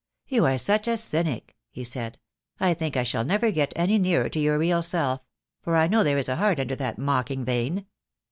"You are such a cynic," he said. "I think I shall never get any nearer to your real self — for I know there is a heart under that mocking vein."